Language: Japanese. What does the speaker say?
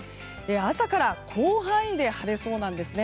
朝から広範囲で晴れそうです。